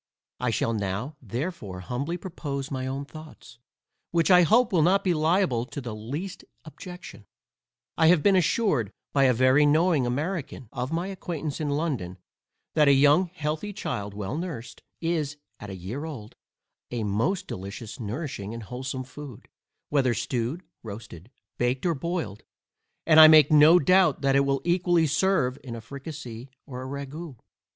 I shall now therefore humbly propose my own thoughts, which I hope will not be liable to the least objection. I have been assured by a very knowing American of my acquaintance in London, that a young healthy child well nursed, is, at a year old, a most delicious nourishing and wholesome food, whether stewed, roasted, baked, or boiled; and I make no doubt that it will equally serve in a fricasee, or a ragoust.